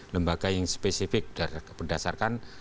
lembaga yang spesifik berdasarkan